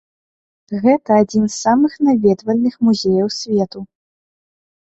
Гэта адзін з самых наведвальных музеяў свету.